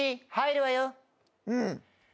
うん。